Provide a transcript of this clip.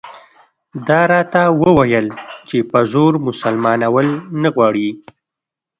ده راته وویل چې په زور مسلمانول نه غواړي.